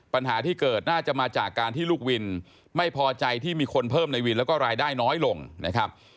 ปัญหาที่เกิดน่าจะมาจากการที่ลูกวินไม่พอใจที่มีคนเพิ่มในวินแล้วก็รายได้น้อยลงนะครับ